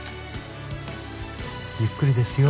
ゆっくりですよ。